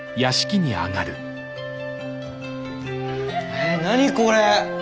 え何これ？